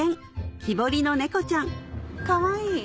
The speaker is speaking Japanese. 木彫りの猫ちゃんかわいい！